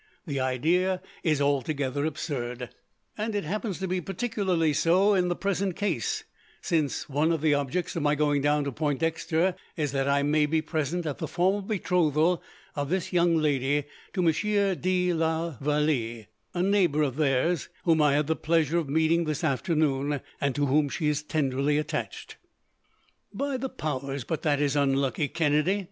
The idea is altogether absurd, and it happens to be particularly so, in the present case, since one of the objects of my going down to Pointdexter is that I may be present at the formal betrothal of this young lady, to Monsieur de la Vallee, a neighbour of theirs, whom I had the pleasure of meeting this afternoon, and to whom she is tenderly attached." "By the powers, but that is unlucky, Kennedy!"